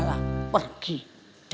orang ini keren sekali